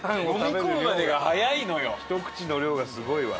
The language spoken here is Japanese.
ひと口の量がすごいわ。